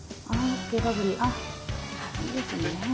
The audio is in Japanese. いいですね。